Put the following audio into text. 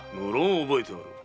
覚えておる。